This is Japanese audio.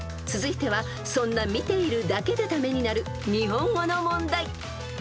［続いてはそんな見ているだけでためになる日本語の問題］